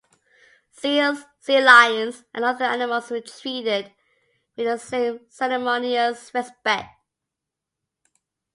Seals, sea lions, and other animals were treated with the same ceremonious respect.